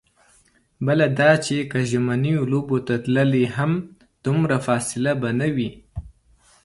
بله دا چې که ژمنیو لوبو ته تللې هم، دومره فاصله به نه وي.